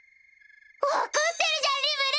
分かってるじゃんリムル！